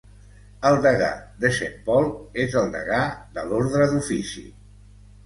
El degà de Saint Paul és el degà de l'Ordre "d'ofici".